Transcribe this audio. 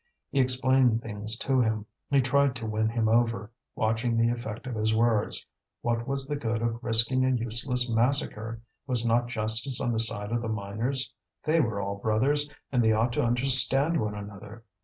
He explained things to him; he tried to win him over, watching the effect of his words. What was the good of risking a useless massacre? Was not justice on the side of the miners? They were all brothers, and they ought to understand one another.